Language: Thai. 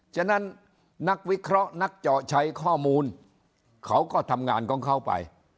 ฉะนั้นนักวิเคราะห์นักเจาะใช้ข้อมูลเขาก็ทำงานของเขาไป